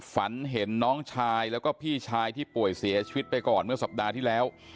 ฝันเห็นน้องชายแล้วก็พี่ชายที่ป่วยเสียชีวิตไปก่อนเมื่อสัปดาห์ที่แล้ว